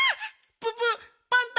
ププッパンタ！